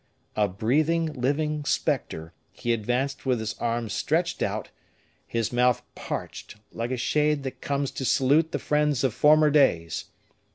A breathing, living specter, he advanced with his arms stretched out, his mouth parched, like a shade that comes to salute the friends of former days.